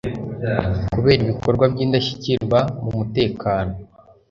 kubera ibikorwa by'indashyikirwa mu mutekano